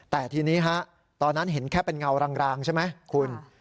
แต่ทีนี้ฮะตอนนั้นเห็นแค่เป็นเงารางใช่ไหมคุณ